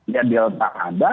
ya delta ada